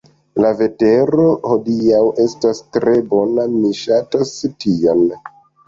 La vetero hodiaŭ estas tre bona mi ŝatas tion